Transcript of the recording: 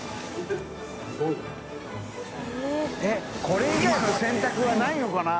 ┐これ以外の選択はないのかな？